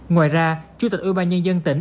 ngoài ra chủ tịch ưu ban nhân dân tỉnh